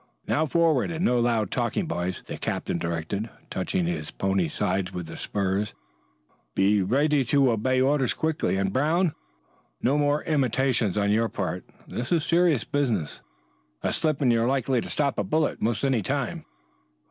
"Now forward and no loud talking, boys," the captain directed, touching his pony's sides with the spurs. "Be ready to obey orders quickly. And, Brown, no more imitations on your part. This is serious business. A slip and you're likely to stop a bullet 'most any time."